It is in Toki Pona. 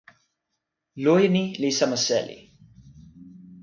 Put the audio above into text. loje ni li sama seli.